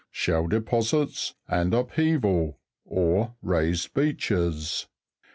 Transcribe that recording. . 8. Shell deposits, and upheaved or raised beaches.